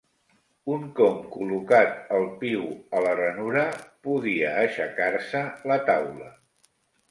Un com col·locat el piu a la ranura, podia aixecar-se la taula.